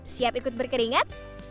siap ikut berkeringat